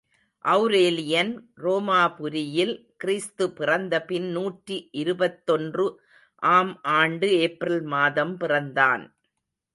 Aurelian ரோமாபுரியில் கிறிஸ்து பிறந்தபின் நூற்றி இருபத்தொன்று ஆம் ஆண்டு ஏப்ரல் மாதம் பிறந்தான்.